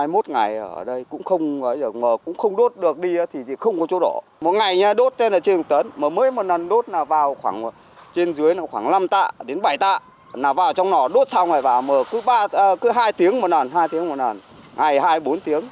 mỗi ngày đốt trên một tấn mới một lần đốt vào trên dưới khoảng năm tạ đến bảy tạ vào trong đó đốt xong rồi vào cứ hai tiếng một lần hai tiếng một lần ngày hai bốn tiếng